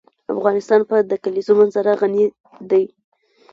افغانستان په د کلیزو منظره غني دی.